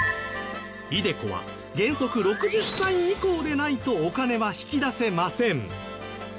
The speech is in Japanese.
ｉＤｅＣｏは原則６０歳以降でないとお金は引き出せません。